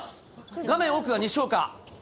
画面奥が西岡。